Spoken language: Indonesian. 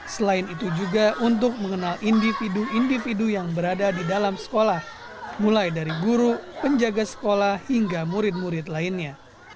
selain itu juga untuk mengenal individu individu yang berada di dalam sekolah mulai dari guru penjaga sekolah hingga murid murid lainnya